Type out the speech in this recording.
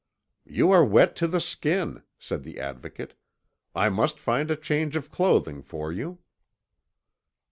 "You are wet to the skin," said the Advocate. "I must find a change of clothing for you."